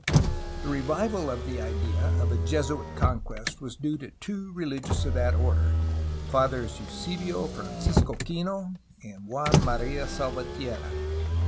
The revival of the idea of a Jesuit conquest was due to two religious of that order, Fathers Eusebio Francisco Kino and Juan Maria Salvatierra.